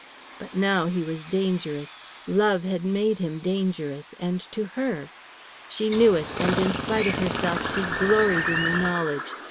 But now he was dangerous; love had made him dangerous, and to her. She knew it, and in spite of herself she gloried in the knowledge.